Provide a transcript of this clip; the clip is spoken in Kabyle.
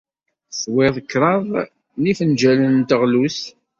Teswiḍ kraḍ n yifenjalen n teɣlust.